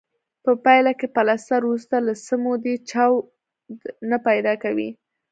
په پایله کې پلستر وروسته له څه مودې چاود نه پیدا کوي.